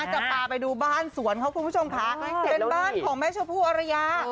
น่าจะป่าไปดูบ้านสวนเพื่อความบันสุดของแม่ชมภูออรยา